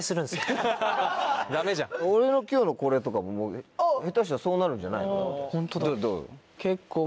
俺の今日のこれとかも下手したらそうなるんじゃないの？